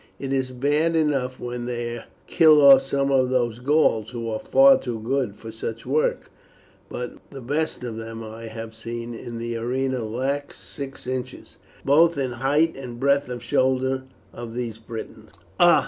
"It is bad enough when they kill off some of those Gauls, who are far too good for such work; but the best of them I have seen in the arena lacks six inches, both in height and breadth of shoulder, of these Britons." "Ah!"